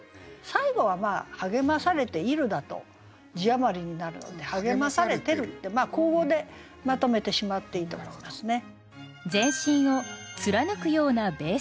最後は「励まされている」だと字余りになるので「励まされてる」って口語でまとめてしまっていいと思いますね。